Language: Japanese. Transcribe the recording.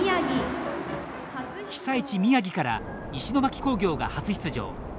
被災地・宮城から石巻工業が初出場。